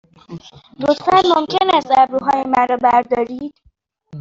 لطفاً ممکن است ابروهای مرا بردارید؟